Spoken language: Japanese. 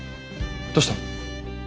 どうした？